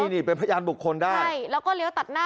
อ่อนี่ลง